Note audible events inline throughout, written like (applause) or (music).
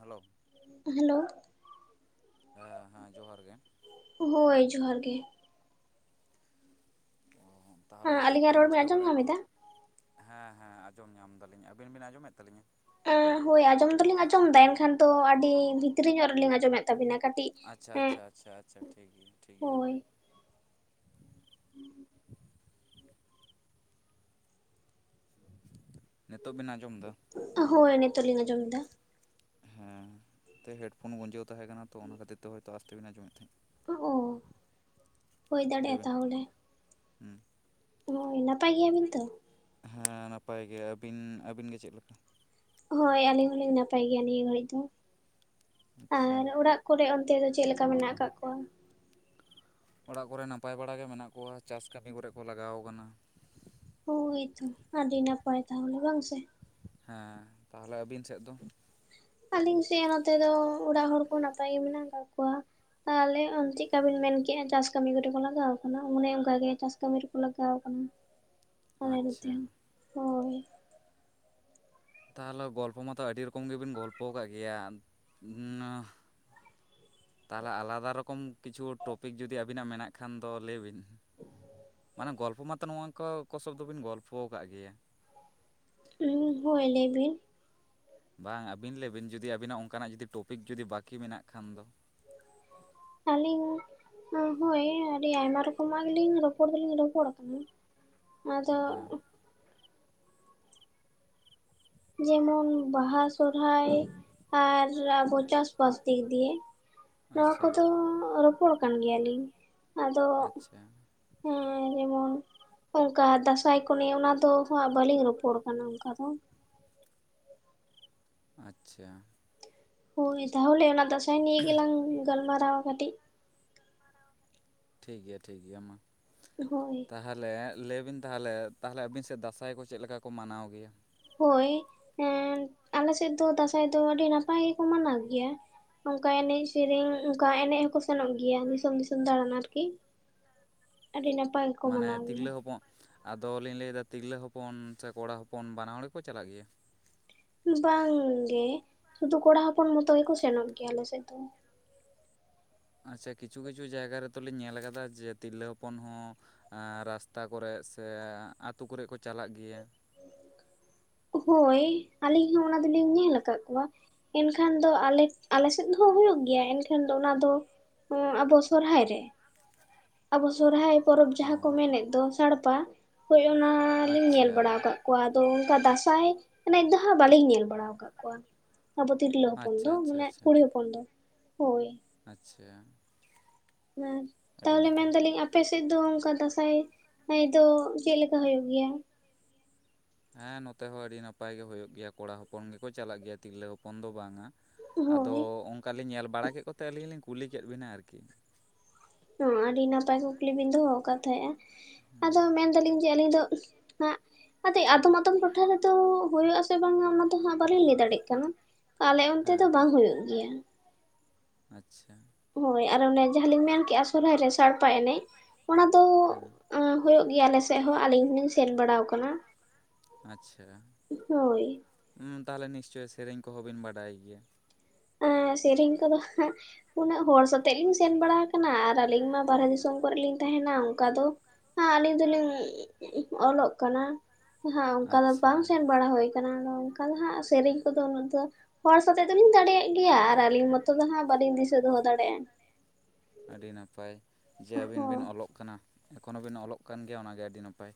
Hello hello ᱦᱮᱸ ᱦᱮᱸ ᱡᱚᱦᱟᱨ ᱜᱮ, ᱚᱦᱳᱻᱭ ᱡᱚᱦᱟᱨ ᱜᱮ᱾ ᱚᱦᱚ ᱛᱟᱦᱚᱞᱮ ᱦᱮᱸ ᱪᱮᱫ ᱟᱹᱞᱤᱧᱟᱜ ᱨᱚᱲ ᱠᱚᱵᱤᱱ ᱵᱮᱱ ᱪᱤᱠᱟᱹ ᱟᱸᱡᱚᱢ ᱵᱟᱲᱟᱭᱮᱫ ᱧᱟᱢ ᱮᱫᱟ? ᱛᱟᱦᱮᱸᱱ? ᱦᱮᱸ ᱦᱮᱸ ᱟᱸᱡᱚᱢ ᱧᱟᱢ ᱮᱫᱟ ᱞᱤᱧ, ᱟᱹᱵᱤᱱ ᱵᱤᱱ ᱟᱸᱡᱚᱢᱮᱫ ᱛᱟᱹᱞᱤᱧᱟ? ᱮᱸ ᱦᱳᱭ ᱟᱸᱡᱽᱼᱚᱢ ᱫᱚᱞᱤᱧ ᱟᱸᱡᱽᱼᱚᱢ ᱮᱫᱟ ᱮᱱᱠᱷᱟᱱ ᱛᱚ ᱟᱹᱰᱤ ᱵᱷᱤᱛᱨᱤ ᱧᱚᱜ ᱨᱮᱞᱤᱧ ᱟᱸᱡᱽᱚ ᱢᱮᱫ ᱛᱟᱵᱤᱱᱟ, ᱠᱟᱹᱴᱤᱡ ᱟᱪᱪᱷᱟ ᱮᱸᱜ, ᱟᱪᱪᱷᱟ ᱟᱪᱪᱷᱟ ᱟᱪᱪᱷᱟ ᱩᱸᱜ, ᱴᱷᱤᱠ ᱜᱮᱭᱟ ᱴᱷᱤᱠ ᱜᱮᱭᱟ ᱦᱚᱭ, ᱦᱟᱯᱮ (inaudible) (unintelligible) ᱱᱮᱛᱳᱜ ᱵᱤᱱ ᱟᱸᱡᱽᱚᱢ ᱮᱫᱟ? ᱚᱦᱳᱻᱭ ᱱᱤᱛᱚᱜ ᱞᱤᱧ ᱟᱸᱡᱽᱚᱢ ᱮᱫᱟ᱾ ᱦᱮᱸ ᱛᱮ ᱦᱮᱰᱯᱷᱳᱱ ᱜᱩᱸᱡᱟᱹᱣ ᱛᱟᱦᱮᱸ ᱠᱟᱱᱟ ᱛᱚ ᱚᱱᱟ ᱠᱷᱟᱹᱛᱤᱨ ᱛᱮ ᱦᱚᱭᱛᱚ ᱟᱥᱛᱮ ᱵᱤᱱ ᱟᱸᱡᱽᱚᱢᱮᱫ ᱛᱟᱦᱮᱸᱫ᱾ ᱚᱦᱼᱚ ᱦᱩᱭ ᱞᱟᱹᱭ ᱫᱟᱲᱮᱭᱟᱜᱼᱟ ᱵᱤᱱ ᱛᱟᱦᱚᱞᱮ, ᱦᱩᱸ, ᱱᱚᱜᱻᱚᱭ ᱱᱟᱯᱟᱭ ᱜᱮᱭᱟᱵᱤᱱ ᱛᱚ? ᱦᱮᱸ ᱱᱟᱯᱟᱭ ᱜᱮ ᱟᱹᱵᱤᱱ, ᱟᱹᱵᱤᱱ ᱜᱮ ᱪᱮᱫ ᱞᱮᱠᱟ? ᱦᱳᱭ ᱟᱹᱞᱤᱧ ᱦᱩᱞᱤᱧ ᱱᱟᱯᱟᱭ ᱜᱮᱭᱟ ᱱᱤᱭᱟᱹ ᱜᱷᱟᱹᱲᱤᱡ ᱫᱚ ᱟᱪᱪᱷᱟ ᱟᱨ ᱚᱲᱟᱜ ᱠᱚᱨᱮ ᱚᱱᱛᱮ ᱫᱚ ᱪᱮᱜ ᱞᱮᱠᱟ ᱢᱮᱱᱟᱜ ᱟᱠᱟᱜ ᱠᱚᱣᱟ? ᱚᱲᱟᱜ ᱠᱚᱨᱮ ᱱᱟᱯᱟᱭ ᱵᱟᱲᱟ ᱜᱮ ᱢᱮᱱᱟᱜ ᱠᱚᱣᱟ, ᱪᱟᱥ ᱠᱟᱹᱢᱤ ᱠᱚᱨᱮ ᱠᱚ ᱞᱟᱜᱟᱣ ᱟᱠᱟᱱᱟ᱾ ᱦᱳᱭᱛᱚ ᱟᱹᱰᱤ ᱱᱟᱯᱟᱭ ᱛᱟᱦᱚᱞᱮ ᱵᱟᱝ ᱥᱮ, ᱦᱮᱸ ᱛᱟᱦᱚᱞᱮ ᱟᱹᱵᱤᱱ ᱥᱮᱫ ᱫᱚ? ᱟᱹᱞᱤᱧ ᱥᱮᱜ ᱱᱚᱛᱮ ᱫᱚ ᱚᱲᱟᱜ ᱦᱚᱲ ᱠᱚ ᱱᱟᱯᱟᱭ ᱜᱮ ᱢᱮᱱᱟᱜ ᱟᱠᱟᱜ ᱠᱚᱣᱟ, ᱟᱞᱮ ᱚᱝ ᱪᱮᱜ ᱠᱟ ᱵᱤᱱ ᱢᱮᱱ ᱠᱮᱜᱼᱟ ᱪᱟᱥ ᱠᱟᱹᱢᱤ ᱠᱚᱨᱮ ᱠᱚ ᱞᱟᱜᱟᱣ ᱟᱠᱟᱱᱟ, ᱚᱱᱮ ᱚᱸᱠᱟ ᱜᱮ ᱪᱟᱥ ᱠᱟᱹᱢᱤ ᱨᱮᱠᱚ ᱞᱟᱜᱟᱣ ᱟᱠᱟᱱᱟ᱾ (inaudible) ᱦᱚᱭ ᱱᱚᱛᱮ ᱟᱪᱪᱷᱟ ᱦᱚᱸ, ᱦᱳᱭ᱾ ᱛᱟ ᱦᱚᱞᱚ ᱜᱚᱞᱯᱷᱚ ᱢᱟᱛᱚ ᱟᱹᱰᱤ ᱨᱚᱠᱚᱢ ᱜᱮᱵᱤᱱ ᱜᱚᱞᱯᱚ ᱟᱠᱟᱫ ᱜᱮᱭᱟ (unintelligible) ᱱᱟᱹᱦ ᱛᱟ ᱞᱟ ᱟᱞᱟᱫᱟ ᱨᱚᱠᱚᱢ ᱠᱤᱪᱷᱩ ᱦᱚ ᱴᱚᱯᱤᱠ ᱡᱩᱫᱤ ᱟᱹᱵᱤᱱᱟᱜ ᱢᱮᱱᱟᱜ ᱠᱷᱟᱱ ᱫᱚ ᱞᱟᱹᱭ ᱵᱤᱱ? (inaudible) ᱢᱟᱱᱮ ᱜᱚᱞᱯᱷᱚ ᱢᱟᱛᱚ ᱱᱚᱣᱟᱝ ᱠᱚ, ᱠᱚ ᱥᱚᱵ ᱫᱚᱵᱤᱱ ᱜᱚᱞᱯᱷᱚ ᱟᱠᱟᱫ ᱜᱮᱭᱟ, ᱩᱸ ᱦᱳᱭ ᱞᱟᱹᱭ ᱵᱤᱱ? ᱵᱟᱝᱼᱟ, ᱟᱹᱵᱤᱱ ᱞᱟᱹᱭ ᱵᱤᱱ ᱡᱩᱫᱤ ᱟᱸᱵᱤᱱᱟᱜ ᱚᱸᱠᱟᱱᱟᱜ ᱡᱩᱫᱤ ᱴᱚᱯᱤᱠ ᱡᱩᱫᱤ ᱵᱟᱠᱤ ᱢᱮᱱᱟᱜ ᱠᱷᱟᱱ ᱫᱚ ᱟᱞᱤᱝ, ᱚᱸ ᱦᱚᱸᱭ ᱟᱹᱰᱤ ᱟᱭᱢᱟ ᱨᱚᱠᱚᱢᱟᱜ ᱜᱮᱞᱤᱧ ᱨᱚᱯᱚᱲ ᱫᱚᱞᱤᱧ ᱨᱚᱯᱚᱲ ᱟᱠᱟᱱᱟ᱾ ᱟᱫᱚᱻᱩᱸᱦ ᱦᱮᱸ ᱡᱮᱢᱚᱱ ᱵᱟᱦᱟ ᱥᱚᱨᱦᱟᱭ ᱟᱨ ᱟᱵᱚ ᱪᱟᱥᱵᱟᱥ ᱫᱤᱠ ᱫᱤᱭᱮ, ᱱᱚᱣᱟ ᱟᱪᱪᱷᱟ ᱠᱚᱫᱚᱻ ᱨᱚᱯᱚᱲ ᱠᱟᱱ ᱜᱮᱭᱟ ᱞᱤᱧ, ᱟᱫᱚ ᱟᱪᱪᱷᱟ ᱦᱮᱸ ᱡᱮᱢᱚᱱ ᱚᱸᱠᱟ ᱫᱟᱸᱥᱟᱭ ᱠᱚᱱᱮ ᱚᱱᱟ ᱛᱚ ᱦᱟᱸᱜ ᱵᱟᱹᱞᱤᱝ ᱨᱚᱯᱚᱲ ᱠᱟᱱᱟ ᱚᱝᱠᱟ ᱫᱚ, ᱟᱪᱼᱪᱷᱟ, ᱦᱳᱭ ᱛᱟᱦᱚᱞᱮ ᱚᱱᱟ ᱫᱟᱥᱟᱸᱭ ᱱᱤᱭᱟᱹ ᱜᱮᱞᱟᱝ ᱜᱟᱞᱢᱟᱨᱟᱣᱼᱟ ᱠᱟᱹᱴᱤᱡ, ᱴᱷᱤᱠ ᱜᱮᱭᱟ ᱴᱷᱤᱠ ᱜᱮᱭᱟ ᱢᱟ᱾ ᱦᱳᱭ ᱛᱟᱦᱚᱞᱮ ᱞᱟᱹᱭ ᱵᱤᱱ ᱛᱟᱦᱚᱞᱮ ᱛᱟᱦᱚᱞᱮ ᱟᱹᱵᱤᱱ ᱥᱮᱫ ᱫᱟᱸᱥᱟᱭ ᱠᱚ ᱪᱮᱫ ᱞᱮᱠᱟ ᱠᱚ ᱢᱟᱱᱟᱣ ᱜᱮᱭᱟ᱾ ᱦᱳᱭ ᱦᱮᱸ ᱟᱞᱮ ᱥᱮᱫ ᱫᱚ ᱫᱟᱸᱥᱟᱭ ᱫᱚ ᱟᱹᱰᱤ ᱱᱟᱯᱟᱭ ᱜᱮᱠᱚ ᱢᱟᱱᱟᱣ ᱜᱮᱭᱟ᱾ ᱱᱚᱱᱠᱟ ᱮᱱᱮᱡ ᱥᱮᱨᱮᱧ ᱚᱱᱠᱟ ᱮᱱᱮᱡ ᱦᱚᱸᱠᱚ ᱥᱮᱱᱚᱜ ᱜᱮᱭᱟ ᱫᱤᱥᱚᱢ ᱫᱤᱥᱚᱢ ᱫᱟᱬᱟᱱ ᱟᱨᱠᱤ ᱟᱹᱰᱤ ᱱᱟᱯᱟᱭ ᱜᱮᱠᱚ ᱢᱟᱱᱮ ᱢᱟᱱᱟᱣ ᱜᱮᱭᱟ ᱛᱤᱨᱞᱟᱹ ᱦᱚᱯᱚᱸᱜ ᱟᱫᱚ ᱞᱤᱧ ᱞᱟᱹᱭ ᱮᱫᱟ ᱛᱤᱨᱞᱟᱹ ᱦᱚᱯᱚᱱ ᱥᱮ ᱠᱚᱲᱟ ᱦᱚᱯᱚᱱ ᱵᱟᱱᱟ ᱦᱚᱲ ᱜᱮ ᱠᱚ ᱪᱟᱞᱟᱜ ᱜᱮᱭᱟ᱾ ᱵᱟᱝ ᱜᱮ ᱥᱩᱫᱩ ᱠᱚᱲᱟ ᱦᱚᱯᱚᱱ ᱢᱚᱛᱚ ᱜᱮᱠᱚ ᱥᱮᱱᱚᱜ ᱜᱮᱭᱟ ᱟᱞᱮ ᱥᱮᱫ ᱫᱚ ᱟᱪᱪᱷᱟ ᱠᱤᱪᱷᱩᱼᱠᱤᱪᱷᱩ ᱡᱟᱭᱜᱟ ᱨᱮᱛᱚ ᱞᱤᱧ ᱧᱮᱞ ᱠᱟᱫᱟ ᱡᱮ ᱛᱤᱨᱞᱟᱹ ᱦᱚᱯᱚᱱ ᱦᱚᱸ ᱟᱸ ᱨᱟᱥᱛᱟ ᱠᱚᱨᱮ ᱥᱮ ᱟᱹᱛᱩ ᱠᱚᱨᱮ ᱠᱚ ᱪᱟᱞᱟᱜ ᱜᱮᱭᱟ᱾ ᱦᱳᱭ ᱟᱹᱞᱤᱧ ᱦᱚᱸ ᱚᱱᱟ ᱫᱚᱞᱤᱧ ᱧᱮᱞ ᱟᱠᱟᱫ ᱠᱚᱣᱟ᱾ ᱮᱱᱠᱷᱟᱱ ᱫᱚ ᱟᱞᱮ ᱟᱞᱮ ᱥᱮᱫ ᱦᱚᱸ ᱦᱩᱭᱩᱜ ᱜᱮᱭᱟ ᱮᱱᱠᱷᱟᱱ ᱫᱚ ᱚᱱᱟ ᱫᱚ ᱚᱸ ᱟᱵᱚ ᱥᱚᱨᱦᱟᱭ ᱨᱮ ᱟᱵᱚ ᱥᱚᱨᱦᱟᱭ ᱯᱚᱨᱚᱵᱽ ᱚ ᱡᱟᱦᱟᱸ ᱠᱚ ᱦᱚᱸ ᱢᱮᱱᱮᱫ ᱫᱚ ᱥᱟᱲᱯᱟ ᱦᱳᱭ ᱚᱱᱟ ᱞᱤᱧ ᱧᱮᱞ ᱟᱪᱪᱷᱟ ᱵᱟᱲᱟ ᱟᱠᱟᱫ ᱠᱚ ᱟᱫᱚ ᱚᱱᱠᱟ ᱫᱟᱸᱥᱟᱭ ᱮᱱᱮᱡ ᱫᱚ ᱦᱟᱸᱜ ᱵᱟᱹᱞᱤᱧ ᱧᱮᱞ ᱵᱟᱲᱟ ᱟᱠᱟᱫ ᱠᱚᱣᱟ ᱟᱵᱚ ᱛᱤᱨᱞᱟᱹ ᱦᱚᱯᱚᱱ ᱟᱪᱪᱷᱟ ᱫᱚ ᱟᱪᱪᱷᱟ ᱢᱟᱱᱮ ᱟᱪᱪᱷᱟ ᱠᱩᱲᱤ ᱦᱚᱯᱚᱱ ᱫᱚ ᱦᱳᱭ ᱟᱪᱪᱷᱟ ᱦᱮᱸ ᱟᱹᱰᱤ ᱛᱟᱦᱚᱞᱮ ᱢᱮᱱ ᱱᱟᱯᱟᱭ ᱫᱟᱹᱞᱤᱧ ᱟᱯ ᱟᱯᱮᱥᱮᱫ ᱫᱚ ᱚᱱᱠᱟ ᱫᱟᱸᱥᱟᱭ ᱦᱮᱸᱭ ᱫᱚ ᱪᱮᱫ ᱞᱮᱠᱟ ᱦᱩᱭᱩᱜ ᱜᱮᱭᱟ᱾ ᱦᱮᱸ ᱱᱚᱛᱮ ᱦᱚᱸ ᱟᱹᱰᱤ ᱱᱟᱯᱟᱭ ᱜᱮ ᱦᱩᱭᱩᱜ ᱜᱮᱭᱟ ᱠᱚᱲᱟ ᱦᱚᱯᱚᱱ ᱜᱮᱠᱚ ᱪᱟᱞᱟᱜ ᱜᱮᱭᱟ ᱛᱤᱨᱞᱟᱹ ᱦᱚᱯᱚᱱ ᱫᱚ ᱵᱟᱝᱼᱟ᱾ ᱟᱫᱚ ᱦᱳᱭ ᱚᱝᱠᱟ ᱞᱤᱧ ᱧᱮᱞ ᱵᱟᱲᱟ ᱠᱮᱫ ᱠᱚᱛᱮ ᱟᱹᱞᱤᱧ ᱞᱤᱧ ᱠᱩᱞᱤ ᱠᱮᱫ ᱵᱤᱱᱟ ᱟᱨᱠᱤ ᱦᱚᱸ ᱟᱹᱰᱤ ᱱᱟᱯᱟᱭ ᱠᱩᱠᱞᱤ ᱵᱤᱱ ᱫᱚᱦᱚ ᱟᱠᱟᱫ ᱛᱟᱦᱮᱸᱫᱼᱟ᱾ ᱦᱮᱸ ᱟᱫᱚ ᱢᱮᱱ ᱫᱟᱹᱞᱤᱧ ᱡᱮ ᱟᱹᱞᱤᱧ ᱫᱚ ᱦᱟᱸᱜ ᱟᱫᱚ ᱟᱫᱚᱢᱼᱟᱫᱚᱢ ᱴᱚᱴᱷᱟ ᱨᱮᱫᱚ ᱦᱩᱭᱩᱜ ᱟᱥᱮ ᱵᱟᱸᱜᱟ ᱚᱱᱟ ᱫᱚ ᱦᱟᱸᱜ ᱵᱟᱹᱞᱤᱧ ᱞᱟᱹᱭ ᱫᱟᱲᱮᱭᱟᱜ ᱠᱟᱱᱟ᱾ ᱟᱞᱮ ᱚᱱᱛᱮ ᱫᱚ ᱦᱮᱸ ᱵᱟᱝ ᱦᱩᱭᱩᱜ ᱜᱮᱭᱟ᱾ ᱟᱪᱪᱷᱟ ᱦᱳᱭ ᱟᱨ ᱚᱱᱮ ᱡᱟᱦᱟᱸ ᱞᱤᱧ ᱢᱮᱱ ᱠᱮᱜᱼᱟ ᱥᱚᱨᱦᱟᱭ ᱨᱮ ᱥᱟᱲᱯᱟ ᱮᱱᱮᱡ ᱚᱱᱟ ᱫᱚ ᱦᱮᱸ ᱟᱸ ᱦᱩᱭᱩᱜ ᱜᱮᱭᱟ ᱟᱞᱮᱥᱮᱫ ᱦᱚᱸ ᱟᱹᱞᱤᱧ ᱦᱚᱸᱞᱤᱧ ᱥᱮᱱ ᱵᱟᱲᱟᱣ ᱠᱟᱱᱟ (unintelligible) ᱟᱪᱪᱷᱟ ᱦᱳᱭ᱾ ᱦᱩᱸ ᱛᱟᱦᱚᱞᱮ ᱱᱤᱥᱪᱚᱭ ᱥᱮᱨᱮᱧ ᱠᱚᱦᱚᱸ ᱵᱮᱱ ᱵᱟᱰᱟᱭ ᱜᱮᱭᱟ᱾ ᱮᱸ ᱥᱮᱨᱮᱧ ᱠᱚᱫᱚ ᱦᱟᱸᱜ ᱩᱱᱟᱹᱜ ᱦᱚᱲ ᱥᱟᱛᱮᱜ ᱞᱤᱧ ᱥᱮᱱ ᱵᱟᱲᱟᱣ ᱟᱠᱟᱱᱟ ᱟᱨ ᱟᱹᱞᱤᱧ ᱢᱟ ᱵᱟᱦᱨᱮ ᱫᱤᱥᱚᱢ ᱠᱚᱨᱮ ᱞᱤᱧ ᱛᱟᱦᱮᱱᱟ ᱚᱱᱠᱟ ᱫᱚ ᱦᱮᱸ ᱟᱹᱞᱤᱧ ᱫᱩᱞᱤᱧ ᱚᱞᱚᱜ ᱠᱟᱱᱟ᱾ ᱦᱮᱸ ᱚᱱᱠᱟ ᱫᱚ ᱵᱟᱝ ᱥᱮᱱ ᱵᱟᱲᱟ ᱦᱩᱭ ᱟᱠᱟᱱᱟ᱾ ᱜᱚᱝ ᱟᱫᱚ ᱦᱟᱸᱜ ᱥᱮᱨᱮᱧ ᱠᱚᱫᱚ ᱩᱱᱟᱹᱜ ᱫᱚ ᱦᱚᱲ ᱥᱟᱛᱮᱜ ᱫᱚᱞᱤᱧ ᱫᱟᱲᱮᱭᱟᱜ ᱜᱮᱭᱟ ᱟᱨ ᱟᱹᱞᱤᱧ ᱢᱚᱛᱚ ᱫᱚ ᱦᱟᱸᱜ ᱵᱟᱹᱞᱤᱧ ᱫᱤᱥᱟᱹ ᱫᱚᱦᱚ ᱫᱟᱲᱮᱭᱟᱜᱼᱟ᱾ ᱟᱹᱰᱤ ᱱᱟᱯᱟᱭ ᱡᱮ ᱟᱹᱵᱤᱱ ᱵᱤᱱ ᱦᱳᱭ ᱚᱞᱚᱜ ᱠᱟᱱᱟ᱾ ᱮᱠᱷᱚᱱᱚ ᱵᱤᱱ ᱚᱞᱚᱜ ᱠᱟᱱ ᱜᱮᱭᱟ ᱚᱱᱟ ᱜᱮ ᱟᱹᱰᱤ ᱱᱟᱯᱟᱭ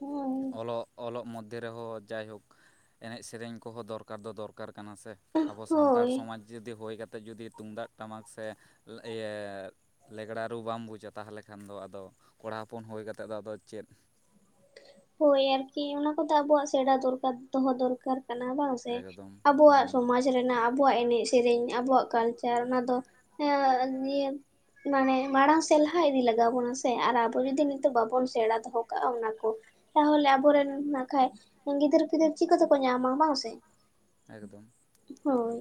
ᱦᱳᱭ ᱚᱞᱚᱜ ᱚᱞᱚᱜ ᱢᱚᱫᱽᱫᱷᱮ ᱨᱮᱦᱚᱸ ᱡᱟᱭᱦᱳᱠ ᱮᱱᱮᱡ ᱥᱮᱨᱮᱧ ᱠᱚᱦᱚᱸ ᱫᱚᱨᱠᱟᱨ ᱫᱚ ᱫᱚᱨᱠᱟᱨ ᱠᱟᱱᱟ ᱥᱮ ᱟᱵᱚ ᱥᱟᱱᱛᱟᱲ ᱦᱳᱭ ᱥᱚᱢᱟᱡᱽ ᱡᱩᱫᱤ ᱦᱩᱭ ᱠᱟᱛᱮᱫ ᱡᱩᱫᱤ ᱛᱩᱢᱫᱟᱜ ᱴᱟᱢᱟᱠ ᱥᱮ ᱞᱮ ᱤᱭᱟᱹ ᱞᱮᱜᱽᱲᱟ ᱨᱩ ᱵᱟᱢ ᱵᱩᱡᱟ ᱛᱟᱦᱚᱞᱮ ᱠᱷᱟᱱ ᱫᱚ ᱟᱫᱚ ᱠᱚᱲᱟ ᱦᱚᱯᱚᱱ ᱦᱩᱭ ᱠᱟᱛᱮᱫ ᱫᱚ ᱟᱫᱚ ᱪᱮᱫ ᱦᱳᱭ ᱟᱨᱠᱤ ᱚᱱᱟ ᱠᱚᱫᱚ ᱟᱵᱚᱣᱟᱜ ᱥᱮᱬᱟ ᱫᱚᱨᱠᱟᱨ ᱫᱚᱦᱚ ᱫᱚᱨᱠᱟᱨ ᱠᱟᱱᱟ ᱵᱟᱝ ᱥᱮ ᱮᱠᱫᱚᱢ ᱟᱵᱚᱣᱟᱜ ᱦᱩᱸ ᱥᱚᱢᱟᱡᱽ ᱨᱮᱱᱟᱜ ᱟᱵᱚᱣᱟᱜ ᱮᱱᱮᱡ ᱥᱮᱨᱮᱧ ᱟᱵᱚᱣᱟᱜ ᱠᱟᱞᱪᱟᱨ ᱚᱱᱟ ᱫᱚ ᱮᱸ ᱱᱤᱭᱟᱹ ᱢᱟᱱᱮ ᱢᱟᱲᱟᱝ ᱥᱮᱫ ᱞᱟᱦᱟ ᱤᱫᱤ ᱞᱟᱜᱟᱣ ᱵᱚᱱᱟ ᱥᱮ ᱟᱨ ᱟᱵᱚ ᱡᱩᱫᱤ ᱱᱤᱛᱚᱜ ᱵᱟᱵᱚᱱ ᱥᱮᱬᱟ ᱫᱚᱦᱚ ᱠᱟᱜᱼᱟ ᱚᱱᱟ ᱠᱚ ᱛᱟᱦᱚᱞᱮ ᱟᱵᱚᱨᱮᱱ ᱱᱟ ᱠᱷᱟᱡ ᱜᱤᱫᱟᱹᱨ ᱯᱤᱫᱟᱹᱨ ᱪᱤᱠᱟᱹ ᱛᱮᱠᱚ ᱧᱟᱢᱟ ᱵᱟᱝ ᱥᱮ? ᱮᱠᱫᱚᱢ ᱾ ᱦᱳᱭ ᱾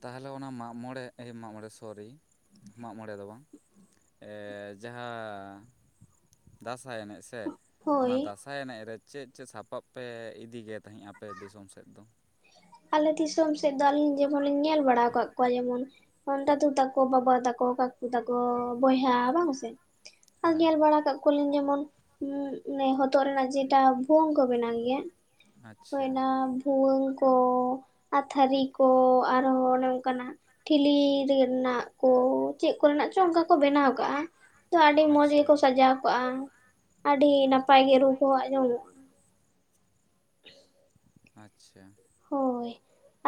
ᱛᱟᱦᱞᱮ ᱚᱱᱟ ᱢᱟᱜ ᱢᱚᱬᱮ ᱮ ᱢᱟᱜ ᱢᱚᱬᱮ ᱥᱚᱨᱤ ᱢᱟᱜ ᱢᱚᱬᱮ ᱫᱚ ᱵᱟᱝ ᱮ, ᱡᱟᱦᱟᱸ ᱫᱟᱸᱥᱟᱭ ᱮᱱᱮᱡ ᱥᱮ -ᱼ ᱦᱳᱭ ᱚᱱᱟ ᱫᱟᱸᱥᱟᱭ ᱮᱱᱮᱡ ᱨᱮ ᱪᱮᱫ ᱪᱮᱫ ᱥᱟᱯᱟᱵ ᱯᱮ ᱤᱫᱤᱜ ᱜᱮ ᱛᱟᱦᱮᱸ ᱟᱯᱮ ᱫᱤᱥᱚᱢ ᱥᱮᱫ ᱫᱚ? ᱟᱞᱮ ᱫᱤᱥᱚᱢ ᱥᱮᱫ ᱫᱚ ᱟᱞᱤᱧ ᱡᱮᱢᱚᱱᱤᱧ ᱧᱮᱞ ᱵᱟᱲᱟ ᱟᱠᱟᱫ ᱠᱚᱣᱟ ᱡᱮᱢᱚᱱ ᱫᱟᱹᱫᱩ ᱛᱟᱠᱚ ᱵᱟᱵᱟ ᱛᱟᱠ ᱠᱟ ᱠᱩ ᱛᱟᱠᱚ ᱵᱚᱭᱦᱟ ᱵᱟᱝ ᱥᱮ ᱟᱨ ᱦᱮᱸ ᱧᱮᱞ ᱵᱟᱲᱟ ᱠᱟᱜ ᱠᱚᱤᱱ ᱡᱮᱢᱚᱱ ᱢᱮ ᱦᱚᱛᱚᱫ ᱨᱮᱱᱟᱜ ᱡᱮᱴᱟ ᱵᱷᱩᱣᱟᱹᱝ ᱠᱚ ᱵᱮᱱᱟᱣ ᱜᱮᱭᱟ ᱦᱩᱭ ᱟᱪᱪᱷᱟ ᱚᱱᱟ ᱵᱷᱩᱣᱟᱹᱝ ᱠᱚ, ᱟᱨ ᱛᱷᱟᱹᱨᱤ ᱠᱚ ᱟᱨᱚ ᱚᱱᱮ ᱚᱝᱠᱟᱱᱟᱜ ᱴᱷᱤᱞᱤ ᱨᱮ-ᱱᱟᱜ ᱠᱚ᱿ ᱪᱮᱫ ᱠᱚᱨᱮᱱᱟᱜ ᱪᱚ ᱚᱱᱠᱟ ᱠᱚ ᱵᱮᱱᱟᱣ ᱠᱟᱜᱼᱟ ᱛᱚ ᱟᱹᱰᱤ ᱢᱚᱡᱽ ᱟᱪᱪᱷᱟ ᱜᱮᱠᱚ ᱥᱟᱡᱟᱣ ᱠᱟᱜᱼᱟ ᱾ ᱟᱹᱰᱤ ᱱᱟᱯᱟᱭ ᱜᱮ ᱨᱩ-ᱠᱚᱣᱟᱜ ᱧᱟᱢᱚᱜᱼᱟ᱿ ᱴᱷᱮᱡ ᱾ ᱟᱪ-ᱪᱷᱟ ᱾ ᱦᱳᱭ ᱾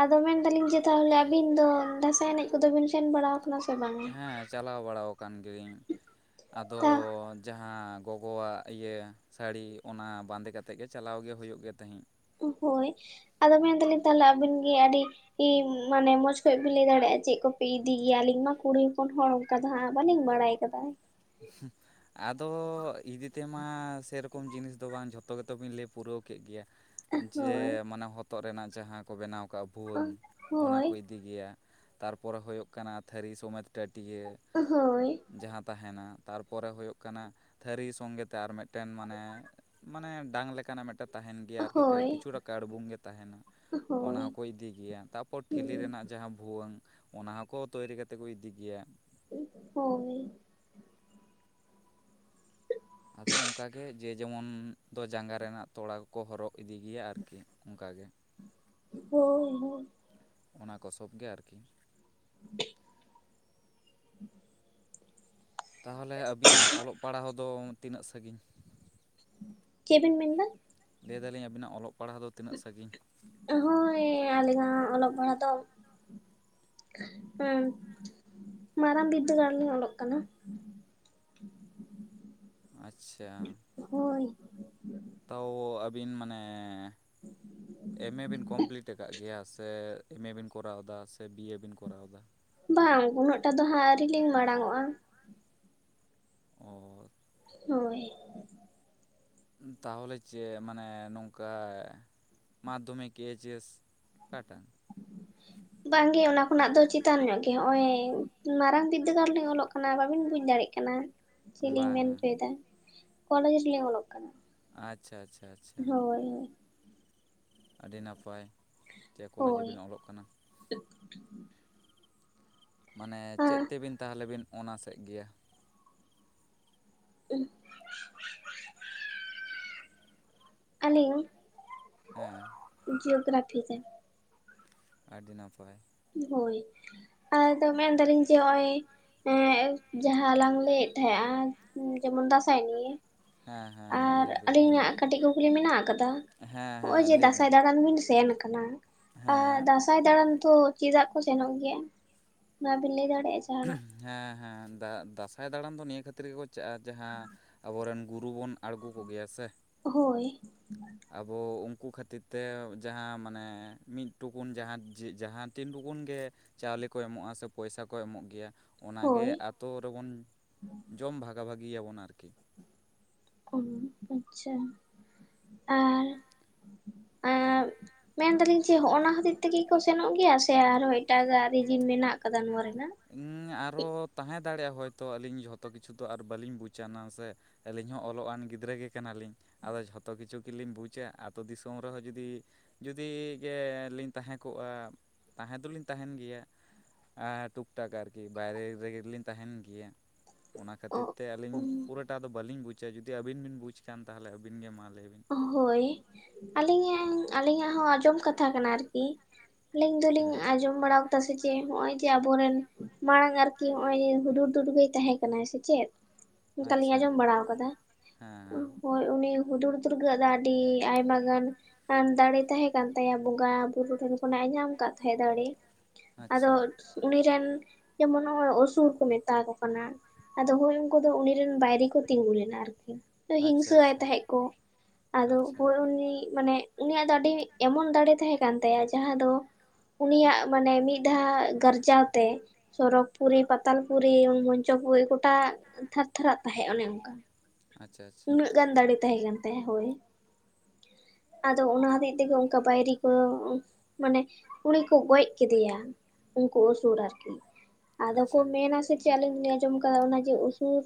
ᱟᱫᱚ ᱢᱮᱱᱫᱟᱞᱤᱧ ᱡᱮ ᱛᱟᱦᱞᱮ ᱟᱹᱵᱤᱱ ᱫᱚ ᱫᱟᱸᱥᱟᱭ ᱮᱱᱮᱡ ᱠᱚᱫᱚ ᱵᱤᱱ ᱥᱮᱱ ᱵᱟᱲᱟ ᱠᱟᱱᱟ ᱥᱮ ᱵᱟᱝᱟ? ᱦᱮᱸ ᱪᱟᱞᱟᱣ ᱵᱟᱲᱟ ᱟᱠᱟᱱ ᱜᱮᱭᱟᱹᱧ ᱟᱫᱚ ᱛᱟ ᱡᱟᱦᱟᱸ ᱜᱚᱜᱚᱣᱟᱜ ᱤᱭᱟᱹ ᱥᱟᱹᱲᱤ ᱚᱱᱟ ᱵᱟᱸᱫᱮᱹ ᱠᱟᱛᱮᱜ ᱜᱮ ᱪᱟᱞᱟᱣ ᱜᱮ ᱦᱳᱭᱳᱜ ᱜᱮ ᱛᱟᱦᱮᱸᱜ ᱾ ᱦᱳᱭ, ᱟᱫᱚ ᱢᱮᱱᱫᱟᱞᱤᱧ ᱛᱟᱞᱦᱮ ᱟᱵᱤᱱ ᱜᱮ ᱟᱰᱤ ᱤ ᱢᱟᱱᱮ ᱢᱚᱸᱡᱽ ᱠᱷᱚᱡ ᱵᱤᱱ ᱞᱟᱹᱭ ᱫᱟᱲᱮᱭᱟᱜᱼᱟ ᱪᱮᱫ ᱠᱚᱯᱮ ᱤᱫᱤ ᱜᱮᱭᱟ ᱟᱞᱤᱧ ᱢᱟ ᱠᱩᱲᱤ ᱦᱚᱯᱚᱱ ᱦᱚᱲ? ᱟᱫᱚ ᱦᱟᱸᱜ ᱵᱟᱞᱤᱧ ᱵᱟᱲᱟᱭ ᱟᱠᱟᱫᱟ ᱾ ᱥᱮᱸᱦ-ᱮᱜ ᱾ ᱟᱫᱚ ᱤᱫᱤ ᱛᱮᱢᱟ ᱥᱮᱨᱚᱠᱚᱢ ᱡᱤᱱᱤᱥ ᱫᱚ ᱵᱟᱝ ᱡᱷᱚᱛᱚ ᱜᱮᱛᱚᱵᱤᱱ ᱞᱮᱹᱭ ᱯᱩᱨᱟᱹᱣ ᱠᱮᱫᱮᱜ ᱜᱮᱭᱟ ᱾ ᱡᱮ ᱦᱳᱭ ᱢᱟᱱᱮ ᱦᱚᱛᱚᱫ ᱨᱮᱱᱟᱜ ᱡᱟᱦᱟᱸ ᱠᱚ ᱵᱮᱱᱟᱣ ᱠᱟᱜᱼᱟ ᱦᱳᱭ ᱵᱷᱩᱣᱟᱹᱝ ᱚᱱᱟ ᱦᱳᱭ ᱠᱚ ᱤ ᱤᱠ ᱜᱮᱭᱟ ᱛᱟᱨᱯᱚᱨᱮ ᱦᱳᱭᱳᱜ ᱠᱟᱱᱟ ᱛᱟᱹᱨᱤ ᱥᱚᱢᱮᱛ ᱴᱟᱹᱴᱭᱟᱹ ᱦᱳᱭ ᱡᱟᱦᱟᱸ ᱛᱟᱦᱮᱱᱟ ᱛᱟᱨᱯᱚᱨᱮ ᱦᱳᱭᱳᱜ ᱠᱟᱱᱟ ᱛᱷᱟᱹᱨᱤ ᱥᱚᱸᱜᱮᱛᱮ ᱟᱨ ᱢᱮᱫ ᱴᱮᱱ ᱢᱟᱱᱮ ᱢᱟᱱᱮ ᱰᱟᱝ ᱞᱮᱠᱟᱱᱟᱜ ᱢᱮᱫᱴᱮᱱ ᱛᱟᱦᱮᱱ ᱜᱮᱭᱟ ᱟᱨᱠᱤ ᱠᱟᱹ ᱦᱳᱭ ᱠᱤᱪᱷᱩᱴᱟ ᱠᱟᱹᱬᱵᱩᱝ ᱜᱮ ᱛᱟᱦᱮᱱᱟ ᱾ ᱚᱱᱟ ᱦᱳᱭ ᱦᱚᱸᱠᱚ ᱤᱫᱤ ᱜᱮᱭᱟ ᱛᱟᱨᱯᱚᱨ ᱴᱷᱤᱞᱤ ᱨᱮᱱᱟᱜ ᱡᱟᱦᱟᱸ ᱵᱷᱩᱣᱟᱹᱝ ᱚᱱᱟ ᱦᱚᱸᱠᱚ ᱛᱳᱭᱨᱤ ᱠᱟᱛᱮ ᱠᱚ ᱤᱫᱤ ᱜᱮᱭᱟ ᱾ ᱦᱳ-ᱭ ᱾ ᱟᱫᱚ ᱚᱱᱠᱟᱜᱮ ᱡᱮ ᱡᱮᱢᱚᱱ ᱫᱚ ᱡᱟᱸᱜᱟ ᱨᱮᱱᱟᱜ ᱛᱚᱲᱟ ᱠᱚᱠᱚ ᱦᱚᱨᱚᱜ ᱤᱫᱤ ᱜᱮᱭᱟ ᱟᱨᱠᱤ ᱾ ᱚᱝᱠᱟᱜᱮ ᱾ (unintelligible) ᱦᱳᱭ- ᱦᱳᱭ ᱾ ᱚᱱᱟ ᱠᱚ ᱥᱚᱵᱽ ᱜᱮ ᱟᱨᱠᱤ ᱾ (inaudible) ᱴᱷᱮᱡ ᱾ ᱛᱟᱦᱞᱮ ᱟᱹᱵᱤᱱᱟᱜ ᱚᱞᱚᱜ ᱯᱟᱲᱦᱟᱣ ᱫᱚ ᱛᱤᱱᱟᱹᱜ ᱥᱟᱺᱜᱤᱧ? ᱪᱮᱜ ᱵᱤᱱ ᱢᱮᱱ ᱫᱟ? ᱞᱟᱹᱭᱮᱫᱟᱞᱤᱧ ᱟᱵᱤ ᱚᱜ ᱯᱟᱲᱦ ᱫᱚ ᱛᱤᱱᱟᱹᱜ ᱥᱟᱟᱹᱜᱤᱧ᱿ ᱦᱳᱭ, ᱟᱞᱤᱧᱟᱜ ᱚᱞᱚᱜ ᱯᱟᱲᱦᱟᱜ ᱫᱚ ᱢᱤᱛᱟᱜ, ᱦᱮᱸ ᱾ ᱢᱟᱨᱟᱝ ᱵᱤᱫᱫᱟᱹᱜᱟᱲ ᱞᱤᱧ ᱚᱞᱚᱜ ᱠᱟᱱᱟ ᱾ ᱟᱪ-ᱪᱷᱟ ᱾ ᱦᱳ-ᱭ ᱾ ᱛᱚ ᱟᱹᱵᱤᱱ ᱢᱟᱱᱮ ᱮᱢ ᱮ ᱵᱤᱱ ᱠᱚᱢᱯᱞᱤᱴ ᱠᱟᱫ ᱜᱮᱭᱟ ᱥᱮ ᱮᱢᱮ ᱵᱤᱱ ᱠᱚᱨᱟᱣᱫᱟ ᱥᱮ ᱵᱤᱭᱮ ᱵᱤᱱ ᱠᱚᱨᱟᱣ ᱫᱟ᱾ ᱵᱟᱝ ᱩᱱᱟᱹᱜ ᱴᱟ ᱫᱚ ᱦᱟᱸᱜ ᱟᱹᱣᱨᱤ ᱞᱤᱧ ᱢᱟᱲᱟᱝ ᱚᱜᱼᱟ᱿ ᱚ ᱦᱳᱭ ᱛᱟᱦᱚᱞᱮ ᱪᱮᱫ ᱢᱟᱱᱮ ᱱᱚᱝᱠᱟ ᱢᱟᱫᱽᱫᱷᱚᱢᱤᱠ ᱮᱭᱤᱪ ᱮᱥ ᱚᱠᱟᱴᱟᱜ᱾ ᱵᱟᱝᱜᱮ ᱚᱱᱟ ᱠᱷᱚᱱᱟᱜ ᱫᱚ ᱪᱮᱛᱟᱱ ᱧᱚᱜ ᱜᱮ ᱦᱚᱜ ᱚᱭ ᱢᱟᱨᱟᱝ ᱵᱤᱫᱽᱫᱟᱹᱜᱟᱲ ᱞᱤᱧ ᱚᱞᱚᱜ ᱠᱟᱱᱟ ᱵᱟᱵᱤᱱ ᱵᱩᱡ ᱫᱟᱲᱮᱭᱟᱜ ᱠᱟᱱᱟ ᱠᱟᱱᱟ ᱪᱮᱫ ᱞᱤᱧ ᱢᱮᱱ ᱵᱟᱝᱟ ᱦᱚᱪᱚᱭᱮᱫᱟ ᱠᱚᱞᱮᱡᱽ ᱨᱮᱞᱤᱧ ᱚᱞᱚᱜ ᱠᱟᱱᱟ᱾ ᱟᱪᱪᱷᱟ ᱟᱪᱪᱷᱟ ᱪᱷᱟ ᱦᱳᱭ ᱟᱹᱰᱤ ᱱᱟᱯᱟᱭ ᱪᱮᱫ ᱠᱚᱞᱮᱡᱽ ᱦᱳᱭ ᱨᱮᱵᱤᱱ ᱚᱞᱚᱜ ᱠᱟᱱᱟ? (unintelligible) ᱢᱟᱱᱮ ᱪᱮᱫ ᱦᱳᱭ ᱛᱮᱵᱤᱱ ᱛᱟᱦᱚᱞᱮ ᱵᱤᱱ ᱚᱱᱟᱥᱮᱫ ᱜᱮᱭᱟ? ᱩ (unintelligible) ᱟ. ᱞᱤᱧ ᱦᱮᱸ᱾ ᱡᱤᱭᱳᱜᱨᱟᱯᱷᱤ ᱛᱮ᱾ ᱟᱹᱰᱤ ᱱᱟᱯᱟᱭ᱾ ᱦᱳᱭ ᱟᱫᱚ ᱢᱮᱱᱫᱟᱞᱤᱧ ᱡᱮ ᱦᱚᱜᱼᱚᱭ ᱮᱼᱼ ᱡᱟᱭᱦᱟᱸ ᱞᱟᱝ ᱞᱟᱹᱭᱮᱫ ᱛᱟᱦᱮᱸᱫ ᱟ ᱡᱮᱢᱚᱱ ᱫᱟᱸᱥᱟᱭ ᱱᱤᱭᱮ᱾ ᱦᱮᱸ ᱦᱮᱸ ᱦᱮᱸ ᱟᱨ ᱞᱟᱹᱭᱵᱤᱱ ᱟᱹᱞᱤᱧᱟᱜ ᱠᱟᱹᱴᱤᱡ ᱠᱩᱠᱞᱤ ᱢᱮᱱᱟᱜ ᱠᱟᱫᱟ᱾ ᱦᱮᱸ ᱦᱚᱜ ᱚᱭ ᱦᱮᱸ ᱡᱮ ᱞᱟᱹᱭᱵᱤᱱ ᱫᱟᱸᱥᱟᱭ ᱫᱟᱬᱟᱱ ᱵᱤᱱ ᱥᱮᱱ ᱠᱟᱱᱟ᱾ ᱟ ᱦᱮᱸ ᱫᱟᱸᱥᱟᱭ ᱫᱟᱬᱟᱱ ᱫᱚ ᱪᱮᱫᱟᱜ ᱠᱚ ᱥᱮᱱᱚᱜ ᱜᱮᱭᱟ? ᱚᱱᱟ ᱵᱤᱱ ᱞᱟᱹᱭ ᱫᱟᱲᱮᱭᱟᱜ ᱡᱟᱦᱟᱱᱟᱜ? ᱦᱮᱸ ᱦᱮᱸ ᱫᱟᱸ ᱫᱟᱸᱥᱟᱭ ᱫᱟᱬᱟᱱ ᱫᱚ ᱱᱤᱭᱟᱹ ᱠᱷᱟᱹᱛᱤᱨ ᱜᱮᱠᱚ ᱪᱟᱜᱼᱟ ᱡᱟᱦᱟᱸ ᱟᱵᱚᱨᱮᱱ ᱜᱩᱨᱩ ᱵᱚᱱ ᱟᱬᱜᱚ ᱠᱚ ᱜᱮᱭᱟ ᱥᱮ᱾ ᱦᱳᱭ᱾ ᱟᱵᱚ ᱩᱱᱠᱩ ᱠᱷᱟᱹᱛᱤᱨᱛᱮ ᱡᱟᱦᱟᱸ ᱢᱟᱱᱮ ᱢᱤᱫ ᱴᱩᱠᱩᱱ ᱡᱟᱦᱟᱱ ᱪᱮ ᱡᱟᱦᱟᱸ ᱛᱤᱱ ᱴᱩᱠᱩᱱᱜᱮᱼᱼ ᱪᱟᱣᱞᱮ ᱠᱚ ᱮᱢᱚᱜᱼᱟ ᱥᱮ ᱯᱚᱭᱥᱟ ᱠᱚ ᱮᱢᱚᱜ ᱜᱮᱭᱟ᱾ ᱚᱱᱟᱜᱮ ᱦᱳᱭ ᱟᱛᱳ ᱨᱮᱵᱚᱱ ᱡᱚᱢ ᱵᱷᱟᱜᱟᱼ ᱵᱷᱟᱜᱤᱭᱟᱵᱚᱱ ᱟᱨᱠᱤ᱾ ᱚ ᱵ. ᱢᱟᱪᱪᱷᱟ (unintelligible) (inaudible) ᱢᱮᱱ ᱫᱟᱞᱤᱧ ᱡᱮ ᱦᱚᱜ ᱚᱱᱟ ᱦᱟᱹᱚᱛᱤᱨ ᱛᱮᱜ ᱢᱮᱱ ᱫᱟ. ᱞᱤᱧ ᱡᱮ ᱦᱚᱜ ᱱᱚᱣᱟ ᱠᱷᱟᱛᱤᱨ ᱠᱚ ᱥᱮᱱᱚᱜ ᱜᱮᱭᱟ ᱥᱮ ᱟᱨᱦᱚᱸ ᱮᱴᱟᱜ ᱟᱜ ᱨᱤᱡᱤᱱ ᱢᱮᱱᱟᱜ ᱠᱟᱫᱟ ᱱᱚᱣᱟ ᱨᱮᱱᱟᱜ? ᱦᱩᱸ ᱟᱨᱚ ᱛᱟᱦᱮᱸ ᱫᱟᱲᱮᱭᱟᱜᱼᱟ ᱦᱚᱭᱛᱳ ᱟᱹᱞᱤᱧ ᱡᱷᱚᱛᱚ ᱠᱤᱪᱷᱩ ᱛᱚ ᱟᱨ ᱵᱟᱹᱞᱤᱧ ᱵᱩᱡᱽᱱᱟ ᱥᱮ᱾ ᱟᱹᱞᱤᱧ ᱦᱚᱸ ᱚᱞᱚᱜ ᱟᱱ ᱜᱤᱫᱽᱨᱟᱹ ᱜᱮ ᱠᱟᱱᱟᱞᱤᱧ᱾ ᱟᱫᱚ ᱡᱷᱚᱛᱚ ᱠᱤᱪᱷᱩ ᱠᱤᱞᱤᱧ ᱵᱩᱪᱟ ᱟ ᱟᱹᱛᱩ ᱫᱤᱥᱚᱢ ᱨᱮᱦᱚᱸ ᱡᱩᱫᱤᱼᱼ ᱡᱩᱫᱤ ᱜᱮᱞᱤᱧ ᱛᱟᱦᱮᱸ ᱠᱚᱜᱼᱟ ᱛᱟᱦᱮᱸ ᱫᱚᱞᱤᱧ ᱛᱟᱦᱮᱱ ᱜᱮᱭᱟ᱾ ᱟ ᱴᱩᱠ ᱴᱟᱠ ᱟᱨᱠᱤ ᱵᱟᱭᱨᱮ ᱨᱮᱜᱮᱞᱤᱧ ᱛᱟᱦᱮᱱ ᱜᱮᱭᱟ ᱚᱱᱟ ᱠᱷᱟᱹᱛᱤᱨ ᱛᱮ ᱟᱹᱞᱤᱧᱼᱼ ᱯᱩᱨᱟᱹᱴᱟ ᱫᱚ ᱵᱟᱹᱞᱤᱧ ᱵᱩᱫᱟ ᱡᱩᱫᱤ ᱟᱹᱵᱤᱱ ᱵᱤᱱ ᱵᱩᱡᱽ ᱠᱷᱟᱱ ᱛᱟᱦᱚᱞᱮ ᱟᱹᱵᱤᱱ ᱜᱮ ᱢᱟ ᱞᱟᱹᱭᱵᱤᱱ᱾ ᱦᱳᱭ ᱟᱹᱞᱤᱧᱟᱜ ᱟᱹᱞᱤᱧᱟᱜ ᱦᱚᱸ ᱟᱸᱡᱚᱢ ᱠᱟᱛᱷᱟ ᱠᱟᱱᱟ ᱟᱨᱠᱤ᱾ ᱟᱹᱞᱤᱧ ᱫᱚᱞᱤᱧ ᱦᱮᱸ ᱟᱸᱡᱚᱢ ᱵᱟᱲᱟ ᱠᱟᱫᱟ ᱥᱮ ᱪᱮᱫ ᱦᱚᱜ ᱚᱭ ᱡᱮ ᱟᱵᱚᱨᱮᱱᱼᱼ ᱢᱟᱲᱟᱝ ᱟᱨᱠᱤ ᱦᱚᱜᱼᱚᱭ ᱦᱩᱫᱩᱨᱼᱫᱩᱨᱜᱟᱹᱭ ᱛᱟᱦᱮᱸ ᱠᱟᱱᱟᱭ ᱥᱮ ᱪᱮᱫ? ᱚᱱᱠᱟ ᱞᱤᱧ ᱟᱪᱪᱷᱟ ᱟᱸᱡᱚᱢ ᱵᱟᱲᱟ ᱠᱟᱫᱟ ᱦᱮᱸ ᱦᱮᱸ ᱦᱳᱭ ᱩᱱᱤ ᱦᱩᱫᱩᱲ ᱫᱩᱨᱜᱟᱹ ᱟᱜ ᱫᱚ ᱟᱹᱰᱤ ᱟᱭᱢᱟ ᱜᱟᱱᱼᱼ ᱫᱟᱲᱮ ᱛᱟᱦᱮᱸ ᱠᱟᱱ ᱛᱟᱭᱟ ᱵᱚᱸᱜᱟ ᱵᱩᱨᱩ ᱴᱷᱮᱱ ᱠᱷᱚᱱᱟᱜ ᱮ ᱧᱟᱢ ᱠᱟᱫ ᱛᱟᱦᱮᱸ ᱫᱟᱲᱮ᱾ ᱟᱫᱚ ᱟᱪᱪᱷᱟ ᱩᱱᱤ ᱨᱮᱱ ᱡᱮᱢᱚᱱ ᱱᱚᱜ ᱚᱭ ᱚᱥᱩᱨ ᱠᱚ ᱢᱮᱛᱟ ᱠᱚ ᱠᱟᱱᱟ ᱟᱫᱚ ᱦᱳᱭ ᱩᱱᱠᱩ ᱫᱚ ᱩᱱᱤ ᱨᱮᱱ ᱵᱟᱭᱨᱤ ᱠᱚ ᱛᱤᱸᱜᱩ ᱞᱮᱱᱟ ᱟᱨᱠᱤ ᱟᱪᱪᱷᱟ ᱦᱤᱝᱥᱟᱭ ᱟᱪᱪᱷᱟ ᱛᱟᱦᱮᱸᱜ ᱠᱚ᱾ ᱟᱫᱚ ᱟᱪᱪᱷᱟ ᱩᱱᱤ ᱢᱟᱱᱮ ᱩᱱᱤᱭᱟᱜ ᱫᱚ ᱟᱹᱰᱤ ᱮᱢᱚᱱ ᱫᱟᱲᱮ ᱛᱟᱦᱮᱸ ᱠᱟᱱ ᱛᱟᱭᱟ ᱡᱟᱦᱟᱸ ᱫᱚ᱾ ᱩᱱᱤᱭᱟᱜ ᱢᱟᱱᱮ ᱢᱤᱫ ᱫᱷᱟᱣ ᱜᱟᱨᱡᱟᱣ ᱛᱮ ᱥᱚᱨᱚᱜ ᱯᱩᱨᱤ ᱯᱟ ᱛᱟᱞᱯᱩᱨᱤ ᱢᱚᱧᱪᱚᱯᱩᱨᱤ ᱜᱚᱴᱟ ᱛᱷᱟᱨ ᱛᱷᱟᱨᱟᱜ ᱛᱟᱦᱮᱸᱜ ᱚᱱᱮ ᱚᱱᱠᱟ᱾ ᱟᱪᱪᱷᱟ ᱟᱪᱪᱷᱟ᱾ ᱩᱱᱟᱹᱜ ᱜᱟᱱ ᱫᱟᱲᱮ ᱛᱟᱦᱮᱸ ᱠᱟᱱ ᱛᱟᱭ ᱦᱳᱭ᱾ ᱟᱫᱚ ᱚᱱᱟ ᱦᱟᱵᱤᱡ ᱛᱮᱜᱮ ᱚᱱᱠᱟ ᱵᱟᱭᱨᱤ ᱠᱚ ᱢᱟᱱᱮ ᱩᱱᱤ ᱠᱚ ᱜᱚᱡ ᱠᱮᱫᱮᱭᱟ ᱩᱱᱠᱩ ᱩᱥᱩᱨ ᱟᱨᱠᱤ᱾ ᱟᱫᱚ ᱠᱚ ᱟᱪᱪᱷᱟ ᱢᱮᱱᱟ ᱥᱮ ᱪᱮᱫ ᱟᱞᱤᱧ ᱞᱤᱧ ᱟᱸᱡᱚᱢ ᱟᱠᱟᱫᱟ ᱚᱱᱟ ᱡᱮ ᱩᱥᱩᱨ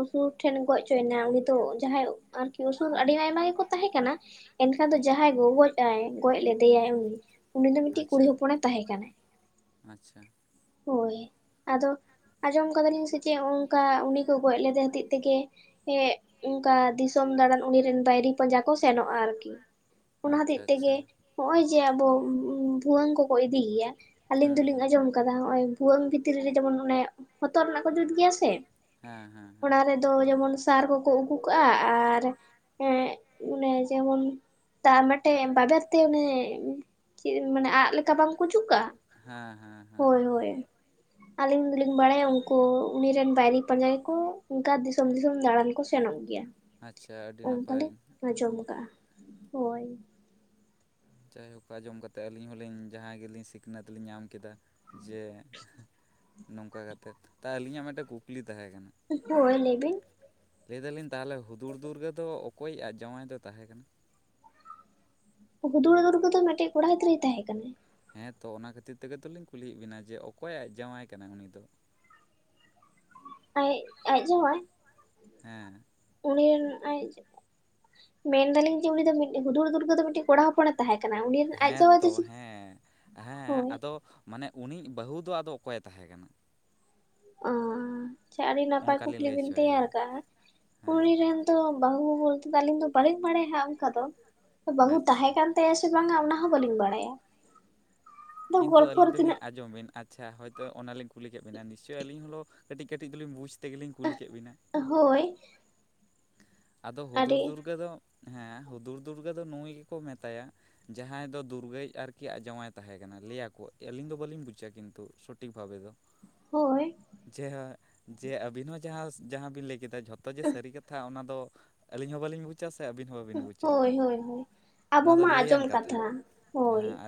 ᱩᱥᱩᱨ ᱴᱷᱮᱱ ᱜᱚᱡ ᱪᱚᱭᱱᱟ ᱚᱪᱚᱭᱮᱱᱟ᱾ ᱛᱳ ᱡᱟᱦᱟᱸᱭ ᱟᱨᱠᱤ ᱩᱥᱩᱨ ᱟᱹᱰᱤ ᱟᱭᱢᱟ ᱜᱮᱠᱚ ᱛᱟᱦᱮᱸ ᱠᱟᱱᱟ᱾ ᱮᱱᱠᱷᱟᱱ ᱫᱚ ᱡᱟᱦᱟᱸᱭ ᱜᱳ ᱜᱳᱡ ᱟᱭ ᱜᱚᱡ ᱞᱮᱫᱮᱭᱟᱭ ᱩᱱᱤᱼᱼ ᱩᱱᱤ ᱫᱚ ᱢᱤᱫᱴᱤᱡ ᱠᱩᱲᱤ ᱟᱪᱪᱷᱟ ᱦᱚᱯᱚᱱᱮ ᱛᱟᱦᱮᱸ ᱠᱟᱱᱟᱭ ᱦᱳᱭ᱾ ᱟᱫᱚ ᱟᱸᱡᱚᱢ ᱠᱟᱫᱟᱞᱤᱧ ᱥᱮ ᱪᱮᱫ ᱚᱱᱠᱟ ᱩᱱᱤ ᱠᱚ ᱜᱚᱡ ᱞᱮᱫᱮ ᱦᱚᱛᱮᱜ ᱛᱮᱜᱮ ᱮ ᱚᱝᱠᱟ ᱫᱤᱥᱚᱢ ᱫᱟᱬᱟᱱ ᱩᱱᱤ ᱨᱮᱱ ᱵᱟᱭᱨᱤ ᱯᱟᱸᱡᱟ ᱠᱚ ᱥᱮᱱᱚᱜᱼᱟ ᱟᱨᱠᱤ, ᱚᱱᱟ ᱦᱚᱛᱮᱜ ᱟᱪᱪᱷᱟ ᱟᱪᱪᱷᱟ ᱛᱮᱜᱮᱼᱼ ᱦᱚᱸᱜᱼᱚᱭ ᱡᱮ ᱟᱵᱚ ᱵᱷᱩᱣᱟᱹᱝ ᱠᱚᱠᱚ ᱤᱫᱤ ᱜᱮᱭᱟ ᱟᱞᱤᱧ ᱦᱩᱸ ᱫᱚᱞᱤᱧ ᱦᱩᱸ ᱟᱸᱡᱚᱢ ᱠᱟᱫᱟ ᱱᱚᱭ ᱵᱷᱩᱟᱹᱝ ᱵᱷᱤᱛᱨᱤ ᱨᱮ ᱡᱮᱢᱚᱱ ᱚᱱᱮ ᱦᱚᱛᱚᱫ ᱨᱮᱱᱟᱜ ᱠᱚ ᱡᱩᱛ ᱜᱮᱭᱟ ᱥᱮ ᱦᱮᱸ ᱦᱮᱸ ᱦᱮᱸ ᱚᱱᱟ ᱨᱮᱼᱼ ᱫᱚ ᱡᱮᱢᱚᱱ ᱥᱟᱨ ᱠᱚᱠᱚ ᱩᱠᱩ ᱠᱟᱜᱼᱟ ᱟᱨ ᱮᱸ ᱚᱱᱮ ᱡᱮᱢᱚᱱᱼᱼ ᱛᱟᱨ ᱢᱮᱫᱢᱮᱡ ᱵᱟᱵᱮᱨ ᱛᱮ ᱚᱱᱤ ᱪᱮᱫ ᱢᱟᱱᱮ ᱟᱸᱜ ᱞᱮ ᱵᱟᱝᱠᱚ ᱡᱩᱛ ᱠᱟᱜᱼᱟ ᱦᱮᱸ ᱦᱮᱸ ᱦᱮᱸ ᱦᱳᱭ ᱮᱠᱫᱚᱢ ᱦᱳᱭ ᱟᱹᱞᱤᱧ ᱫᱚᱞᱤᱧ ᱵᱟᱲᱟᱭᱟ ᱩᱝᱠᱩ ᱩᱱᱤ ᱨᱮᱱ ᱵᱟᱭᱨᱤ ᱯᱟᱸᱡᱟ ᱜᱮ ᱠᱚ ᱚᱱᱠᱟ ᱫᱤᱥᱚᱢ ᱫᱤᱥᱚᱢ ᱫᱟᱬᱟᱱᱼ ᱠᱚ ᱥᱮᱱᱚᱜ ᱜᱮᱭᱟ ᱟᱪᱪᱷᱟ ᱟᱹᱰᱤ ᱚᱱᱠᱟ ᱱᱟᱯᱟᱭ ᱞᱮᱧ ᱟᱸᱡᱚᱢ ᱠᱟᱜᱼᱟ ᱦᱳᱭ ᱡᱟᱭᱦᱳᱠ ᱟᱸᱡᱚᱢ ᱠᱟᱛᱮᱫ ᱟᱹᱞᱤᱧ ᱦᱚᱸᱞᱤᱧ ᱡᱟᱦᱟᱸᱭ ᱜᱮᱞᱤᱧ ᱥᱤᱠᱷᱱᱟᱹᱛ ᱞᱤᱧ ᱧᱟᱢ ᱠᱮᱫᱟ ᱡᱮ ᱱᱚᱝᱠᱟ ᱠᱟᱛᱮᱫ ᱛᱟ ᱟᱹᱞᱤᱧᱟᱜ ᱢᱮᱫᱴᱮᱡ ᱠᱩᱠᱞᱤ ᱛᱟᱦᱮᱸᱠᱟᱱᱟ᱾ ᱦᱳᱭ ᱞᱟᱹᱭ ᱵᱤᱱ ᱞᱟᱹᱭ ᱫᱟᱞᱤᱧ ᱛᱟᱦᱞᱮ ᱦᱩᱫᱩᱲ ᱫᱩᱨᱜᱟᱹ ᱫᱚ ᱚᱠᱚᱭ ᱟᱡ ᱡᱟᱶᱟᱭ ᱫᱚᱭ ᱛᱟᱦᱮᱸ ᱠᱟᱱᱟ? ᱦᱩᱫᱩᱲ ᱫᱩᱨᱜᱟᱹ ᱫᱚ ᱢᱮᱫᱴᱮᱡ ᱠᱚᱲᱟ ᱜᱤᱫᱽᱨᱟᱹᱭ ᱛᱟᱦᱮᱸ ᱠᱟᱱᱟᱭ ᱦᱮᱸ ᱛᱳ ᱚᱱᱟ ᱠᱷᱟᱹᱛᱤᱨ ᱛᱮᱜᱮ ᱛᱚᱞᱤᱧ ᱠᱩᱞᱤᱭᱮᱫ ᱵᱤᱱᱟ ᱡᱮ ᱚᱠᱚᱭ ᱟᱡ ᱡᱟᱶᱟᱭ ᱠᱟᱱᱟᱭ ᱩᱱᱤ ᱫᱚ? (unintelligible) ᱟᱭᱮᱜ ᱟᱡ ᱡᱟᱸᱣᱟᱭ ᱦᱮᱸ ᱩᱱᱤ ᱨᱮᱱ ᱟᱡ ᱢᱮᱱᱫᱟᱞᱤᱧ ᱡᱮ ᱩᱱᱤ ᱫᱚ ᱢᱤᱜᱴᱤᱡ ᱦᱩᱫᱩᱲ ᱫᱩᱨᱜᱟᱹᱫᱚ ᱢᱤᱴᱤᱡ ᱠᱚᱲᱟ ᱦᱚᱯᱚᱱ ᱮ ᱛᱟᱦᱮᱸ ᱠᱟᱱᱟ ᱩᱱᱤ ᱨᱮᱱ ᱟᱡ ᱦᱮᱸ ᱡᱟᱶᱟᱭ ᱫᱚ ᱛᱳ ᱦᱮᱸ ᱦᱮᱸ ᱦᱳᱭ ᱟᱫᱚ ᱢᱟᱱᱮ ᱩᱱᱤᱭᱤᱜ ᱵᱟᱹᱦᱩ ᱫᱚ ᱟᱫᱚ ᱚᱠᱚᱭᱮ ᱛᱟᱦᱮᱸ ᱠᱟᱱᱟ? ᱚᱸ ᱟᱪᱪᱷᱟ ᱟᱹᱰᱤ ᱱᱟᱯᱟᱭ ᱚᱱᱠᱟᱞᱤᱧ ᱠᱩᱠᱞᱤ ᱞᱟᱹᱭ ᱵᱤᱱ ᱦᱚᱪᱚᱭᱮᱫᱟ ᱛᱮᱭᱟᱨ ᱠᱟᱜᱼᱟ ᱦᱮᱸ ᱩᱱᱤ ᱨᱮᱱᱼᱼ ᱵᱟᱹᱦᱩ ᱵᱚᱞᱛᱮ ᱫᱚ ᱟᱹᱞᱤᱧ ᱫᱚ ᱵᱟᱹᱞᱤᱧ ᱵᱟᱲᱟᱭᱟ ᱦᱟᱸᱜ ᱚᱝᱠᱟ ᱫᱚ ᱵᱟᱹᱦᱩ ᱟᱪᱪᱷᱟ ᱛᱟᱦᱮᱸ ᱠᱟᱱᱼᱼ ᱛᱟᱭᱟ ᱥᱮ ᱵᱟᱝᱼᱟ ᱚᱱᱟ ᱦᱚᱸ ᱵᱟᱹᱞᱤᱧ ᱵᱟᱲᱟᱭᱟ ᱟᱫᱚ ᱠᱤᱱᱛᱩ ᱜᱚᱞᱯᱷᱚ ᱟᱹᱞᱤᱧ ᱨᱮ ᱫᱚᱞᱤᱧ ᱛᱤᱱᱟᱹᱜ ᱟᱸᱡᱚᱢ ᱵᱤᱱ ᱟᱪᱪᱷᱟ ᱦᱳᱭᱛᱳ ᱚᱱᱟᱞᱤᱧ ᱠᱩᱞᱤ ᱠᱮᱫ ᱵᱤᱱᱟ ᱱᱤᱥᱪᱳᱭ ᱟᱹᱞᱤᱧ ᱦᱚᱞᱳ ᱠᱟᱹᱴᱤᱡ ᱠᱟᱹᱴᱤᱡ ᱫᱚᱞᱤᱧ ᱵᱩᱡᱽ ᱛᱮᱜᱮᱞᱤᱧ ᱠᱩᱞ ᱠᱮᱫ ᱵᱤᱱᱟ᱾ ᱦᱳᱭ ᱟᱫᱚ ᱦᱩᱫᱩᱲ ᱟᱹᱰᱤ ᱫᱩᱨᱜᱟᱹ ᱫᱚ ᱦᱮᱸ ᱦᱩᱫᱩᱲ ᱫᱩᱨᱜᱟᱹ ᱫᱚ ᱱᱩᱭ ᱜᱮᱠᱚ ᱢᱮᱛᱟᱭᱟᱼᱼ ᱡᱟᱦᱟᱸᱭ ᱫᱚ ᱫᱩᱨᱜᱟᱹᱭ ᱟᱨᱠᱤ ᱟᱡ ᱡᱟᱶᱟᱭᱮ ᱛᱟᱦᱮᱸ ᱠᱟᱱᱟ ᱞᱟᱹᱭᱟᱠᱚ ᱟᱹᱞᱤᱧ ᱫᱚ ᱵᱟᱹᱞᱤᱧ ᱵᱩᱡᱟ ᱠᱤᱱᱛᱩ ᱥᱚᱼᱼ ᱴᱷᱤᱠ ᱵᱷᱟᱵᱮ ᱫᱚ ᱦᱳᱭ ᱡᱮ ᱡᱮ ᱟᱹᱵᱤᱱ ᱦᱚᱸ ᱡᱟᱦᱟᱸ ᱡᱟᱸᱦᱟ ᱵᱤᱱ ᱞᱟᱹᱭᱼᱼ ᱠᱮᱫᱟ ᱡᱷᱚᱛᱚ ᱡᱮ ᱥᱟᱹᱨᱤ ᱠᱟᱛᱷᱟ ᱚᱱᱟ ᱫᱚ ᱟᱹᱞᱤᱧ ᱦᱚᱸ ᱵᱟᱹᱞᱤᱧ ᱵᱩᱡᱟ ᱥᱮ ᱟᱹᱵᱤᱱᱼᱼ ᱵᱟᱹᱵᱤᱱ ᱵᱩᱡᱟ ᱦᱳᱭ ᱦᱳᱭ ᱦᱳᱭ ᱟᱵᱚ ᱚᱱᱟ ᱫᱚ ᱢᱟ ᱟᱸᱡᱚᱢ ᱞᱟᱹᱭᱟᱱ ᱠᱟᱛᱷᱟ ᱦᱳᱭ ᱦᱮᱸ